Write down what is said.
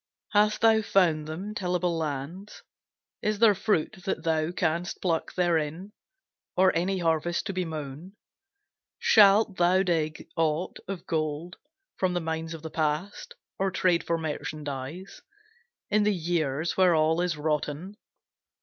Hast thou found them tillable lands? Is there fruit that thou canst pluck therein, Or any harvest to be mown? Shalt thou dig aught of gold from the mines of the past, Or trade for merchandise In the years where all is rotten?